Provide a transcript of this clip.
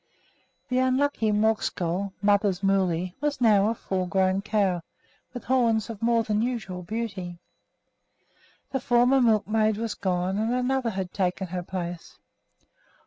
The unlucky Morskol (Mother's Moolley) was now a full grown cow, with horns of more than usual beauty. The former milkmaid was gone and another had taken her place.